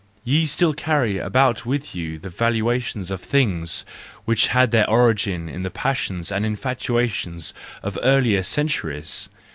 Ye still carry about with you the valuations of things which had their origin in the passions and infatuations of earlier centuries